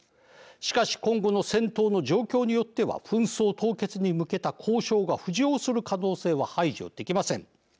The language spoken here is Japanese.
しかし今後の戦闘の状況によっては紛争凍結に向けた交渉が浮上する可能性は排除できません。